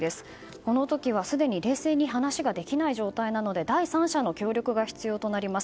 この時は、すでに冷静に話ができない状態なので第三者の協力が必要になります。